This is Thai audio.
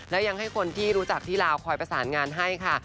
และยังให้คนที่รู้จักที่ลาวคอยประสานงานให้ค่ะ